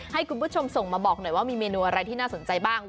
ให้คุณผู้ชมส่งมาบอกหน่อยว่ามีเมนูอะไรที่น่าสนใจบ้าง